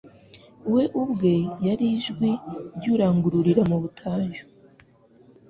We ubwe yari ijwi ry'urangururira mu butayu.